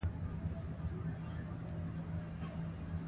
په هر حال کې د خدای شکر وباسئ.